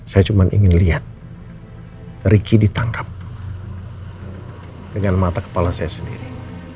saya cuma ingin lihat ricky ditangkap dengan mata kepala saya sendiri